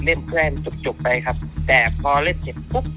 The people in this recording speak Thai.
เล่นแพร่งจบจบไปครับแต่พอเล่นเสร็จปุ๊บ